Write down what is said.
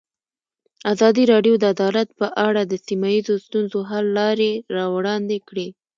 ازادي راډیو د عدالت په اړه د سیمه ییزو ستونزو حل لارې راوړاندې کړې.